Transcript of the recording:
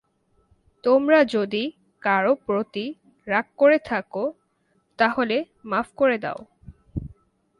তোমরা যদি কারও প্রতি রাগ করে থাকো, তাহলে মাফ করে দাও।